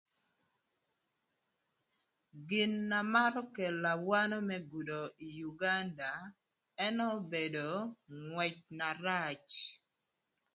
Gin na marö kelo awano më gudo ï Uganda ënë obedo ngwëc na rac.